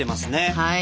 はい。